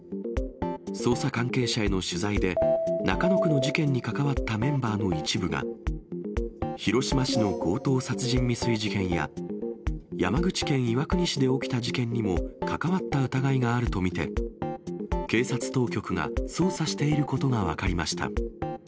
捜査関係者への取材で、中野区の事件に関わったメンバーの一部が、広島市の強盗殺人未遂事件や、山口県岩国市で起きた事件にも関わった疑いがあると見て、警察当局が捜査していることが分かりました。